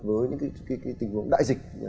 với những cái tình huống đại dịch